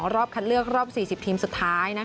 รอบคัดเลือกรอบ๔๐ทีมสุดท้าย